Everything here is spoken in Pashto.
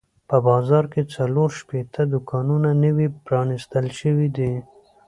په بازار کې څلور شپېته دوکانونه نوي پرانیستل شوي دي.